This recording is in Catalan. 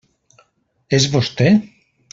És vostè?